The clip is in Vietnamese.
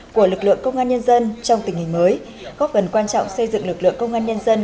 của lực lượng công an nhân dân trong tình hình mới góp phần quan trọng xây dựng lực lượng công an nhân dân